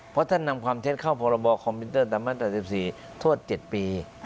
เพราะท่านนำความเทสเข้าพรบคอมพิวเตอร์ธรรมดา๘๔ทวด๗ปี